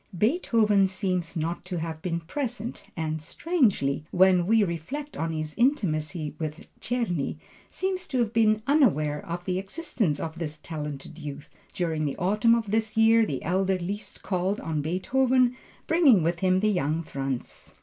Beethoven seems not to have been present, and strangely, when we reflect on his intimacy with Czerny, seems to have been unaware of the existence of this talented youth. During the autumn of this year, the elder Liszt called on Beethoven, bringing with him the young Franz.